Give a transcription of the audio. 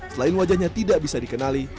selain wajahnya tidak bisa dikenali